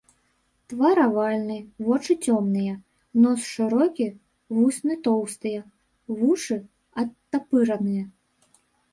Твар авальны, вочы цёмныя, нос шырокі, вусны тоўстыя, вушы адтапыраныя.